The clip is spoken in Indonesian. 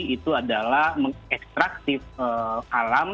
itu adalah mengekstraktif alam